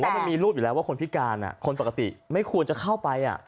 มันมีรูปอยู่แล้วว่าคนพิการคนปกติไม่ควรจะเข้าไป